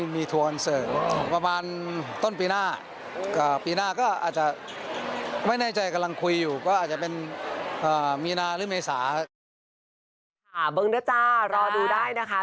เบิ้งด้วยจ้ารอดูได้นะคะ